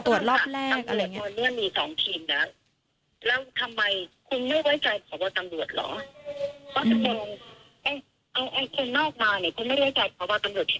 การตรวจรอบแรกอะไรอย่างนี้